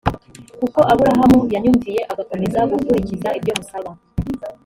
kuko aburahamu yanyumviye agakomeza gukurikiza ibyo musaba